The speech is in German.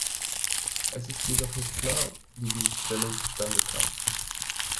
Es ist jedoch nicht klar, wie diese Stellung zustande kam.